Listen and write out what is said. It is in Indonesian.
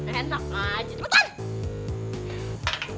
enak aja cepetan